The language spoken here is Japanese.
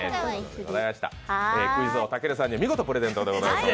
クイズ王たけるさんに見事プレゼントします。